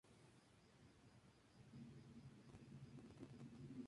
Su madre, Kelley, es una ama de casa de Seattle.